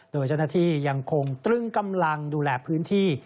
โดยเจ้าหน้าที่ยังคงตรึงกำลังดูแลพื้นที่